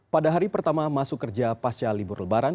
pada hari pertama masuk kerja pasca libur lebaran